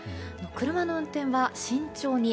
車の運転は慎重に。